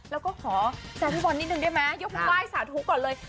แล้วก็ขอแฟนพี่บอลนิดนึงได้ไหมยกมือไห้สาธุก่อนเลย